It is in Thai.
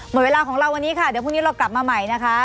หมดเวลาของเราวันนี้ค่ะเดี๋ยวพรุ่งนี้เรากลับมาใหม่นะคะ